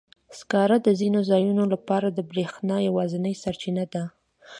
سکاره د ځینو ځایونو لپاره د برېښنا یوازینی سرچینه ده.